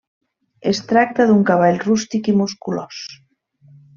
Es tracta d'un cavall rústic i musculós.